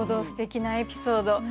すてきなエピソード。